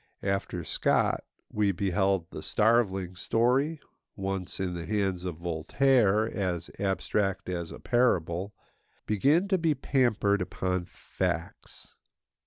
After Scott we beheld the starveling story—once, in the hands of Voltaire, as abstract as a parable—begin to be pampered upon facts.